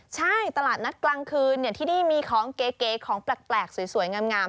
ใช่ตลาดนัดกลางคืนที่นี่มีของเก๋ของแปลกสวยงาม